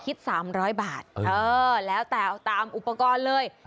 ๓๐๐บาทเออแล้วแต่เอาตามอุปกรณ์เลย